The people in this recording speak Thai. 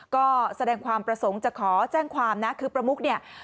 ก็แสดงความประสงค์จะขอแจ้งความนะคือประมุกเนี่ย